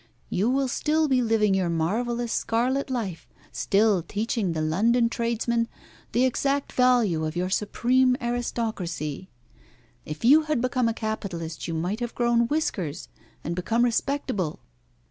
You will still be living your marvellous scarlet life, still teaching the London tradesmen the exact value of your supreme aristocracy. If you had become a capitalist you might have grown whiskers and become respectable.